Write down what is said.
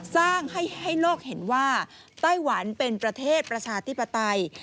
สร้างให้โลกเห็นว่าไต้หวันเป็นประเทศประชาธิปไตย